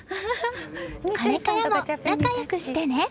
これからも仲良くしてね！